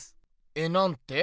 えなんて？